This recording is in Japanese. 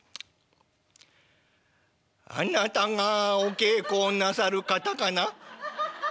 あなたがお稽古をなさる方かな？」。